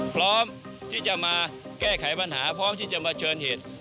พร้อมที่จะมาแก้ไขปัญหาพร้อมที่จะมาเชิญเหตุ